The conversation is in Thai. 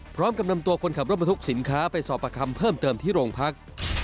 พร้อมกับนำตัวคนขับรถบรรทุกสินค้าไปสอบประคำเพิ่มเติมที่โรงพัก